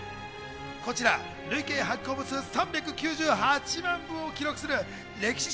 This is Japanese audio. こちら累計発行部数３９８万部を記録する歴史